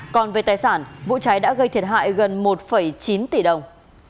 còn về tài sản vụ cháy đã gây thiệt hại gần một chín tỷ đồng